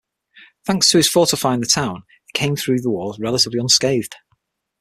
Thanks to his fortifying the town, it came through the wars relatively unscathed.